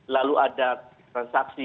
lalu ada transaksi